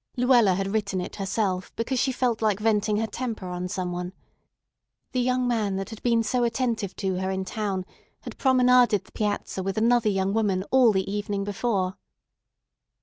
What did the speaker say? Luella had written it herself because she felt like venting her temper on some one. The young man that had been so attentive to her in town had promenaded the piazza with another young woman all the evening before.